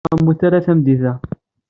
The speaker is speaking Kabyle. Ur ttɛumunt ara tameddit-a.